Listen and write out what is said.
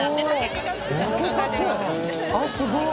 あっすごい。